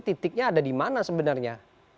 titiknya ada di mana sebenarnya